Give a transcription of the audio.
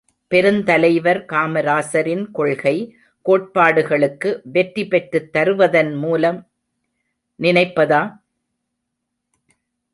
பெருந்தலைவர் காமராசரின் கொள்கை, கோட்பாடுகளுக்கு வெற்றி பெற்றுத் தருவதன் மூலம் நினைப்பதா?